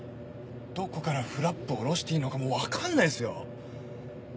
どこからフラップを降ろしていいのかも分かんないですよ。